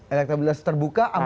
elektabilitas terbuka ahmad purnomo